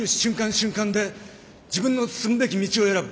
瞬間で自分の進むべき道を選ぶ。